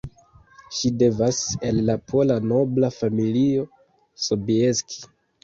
Ŝi devenas el la pola nobla familio Sobieski.